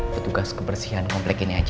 petugas kebersihan komplek ini aja